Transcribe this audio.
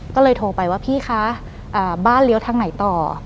ก็เลยโทรไปว่าพี่คะบ้านเลี้ยวทางไหนต่อ